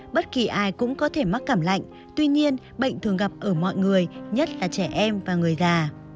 bất kỳ ai cũng có thể mắc cảm lạnh tuy nhiên bệnh thường gặp ở mọi người nhất là trẻ em và người già